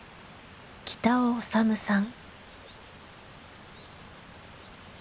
北尾修さん。